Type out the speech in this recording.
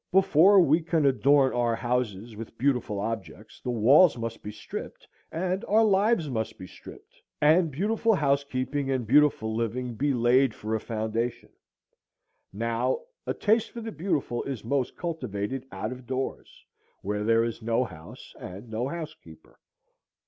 Before we can adorn our houses with beautiful objects the walls must be stripped, and our lives must be stripped, and beautiful housekeeping and beautiful living be laid for a foundation: now, a taste for the beautiful is most cultivated out of doors, where there is no house and no housekeeper.